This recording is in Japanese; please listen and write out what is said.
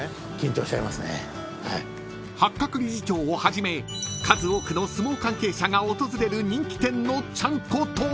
［八角理事長をはじめ数多くの相撲関係者が訪れる人気店のちゃんことは］